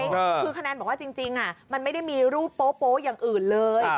คือคะแนนบอกว่าจริงมันไม่ได้มีรูปโป๊อย่างอื่นเลย